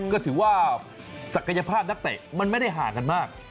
ก็ถือว่าศักยภาพนักเตะมันไม่ได้ห่างกันมาก